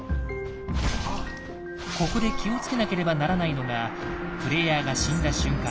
ここで気をつけなければならないのがプレイヤーが死んだ瞬間